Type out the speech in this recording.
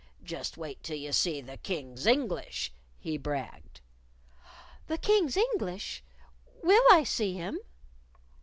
"Just wait till you see the King's English," he bragged. "The King's English? Will I see him?"